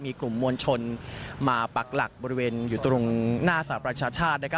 มีกลุ่มมวลชนมาปักหลักบริเวณอยู่ตรงหน้าสหประชาชาติ